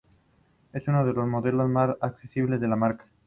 Es uno de los modelos más accesibles de la marca.